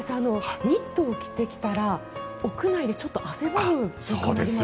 ニットを着てきたら屋内でちょっと汗ばむ感じになりました。